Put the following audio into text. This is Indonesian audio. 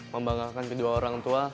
membanggakan kedua orang tua